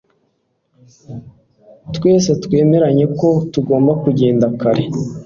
twese twemeranya ko tugomba kugenda kare